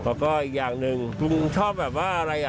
แล้วก็อีกอย่างหนึ่งลุงชอบแบบว่าอะไรอ่ะ